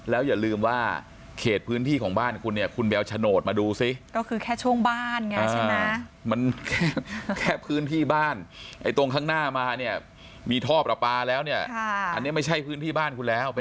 แล้วอย่าลืมว่าเขตพื้นที่ของบ้านคุณเนี่ย